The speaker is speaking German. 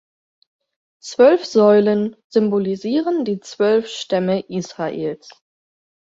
Zwölf Säulen symbolisieren die zwölf Stämme Israels.